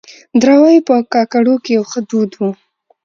دراوۍ په کاکړو کې يو ښه دود وه.